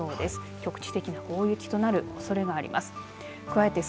局地的な大雪となるおそれがあります。